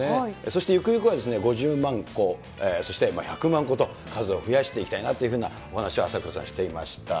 そしてゆくゆくは５０万個、そして１００万個と数を増やしていきたいなというふうなお話を朝倉さんしていました。